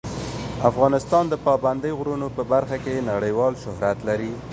افغانستان د پابندی غرونه په برخه کې نړیوال شهرت لري.